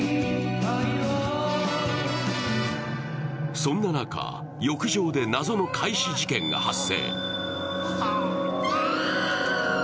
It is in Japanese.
そんな中、浴場で謎の怪死事件が発生。